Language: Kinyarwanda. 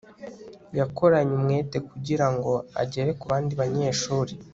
yakoranye umwete kugirango agere ku bandi banyeshuri